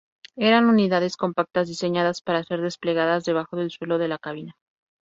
Eran unidades compactas diseñadas para ser desplegadas debajo del suelo de la cabina.